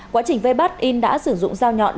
quá trình vây bắt in đã sử dụng dao nhọn